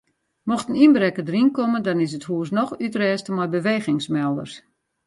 Mocht in ynbrekker deryn komme dan is it hûs noch útrêste mei bewegingsmelders.